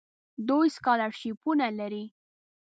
دوی سکالرشیپونه لري.